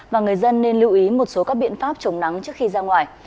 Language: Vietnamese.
và người dân nên lưu ý một số các biện pháp chống nắng trước khi ra ngoài